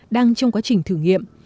đang trong quá trình thử nghiệm